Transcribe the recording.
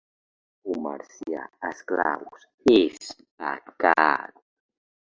Comerciar esclaus és pecat.